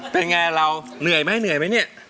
เป็นไงเราเหนื่อยไหม